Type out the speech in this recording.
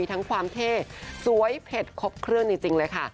ทั้งความเท่สวยเผ็ดครบเครื่องจริงเลยค่ะ